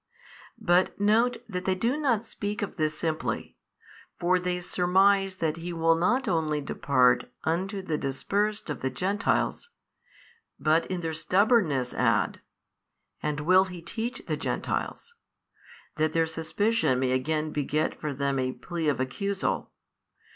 But note that they do not speak of this simply: for they surmise that He will not only depart unto the dispersed of the Gentiles, but in their stubbornness add, and will He teach the Gentiles, that their suspicion may again beget for them a plea of accusal.